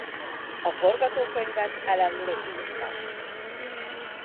A forgatókönyvet Allan Loeb írta.